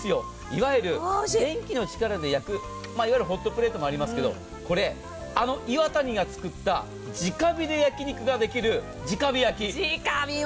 いわゆる電気の力で焼くホットプレートもありますがこれ、岩谷が作った直火で焼き肉ができる直火焼き。